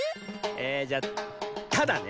えじゃ「た」だね。